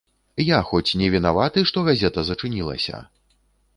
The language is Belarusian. Я хоць не вінаваты, што газета зачыніліся?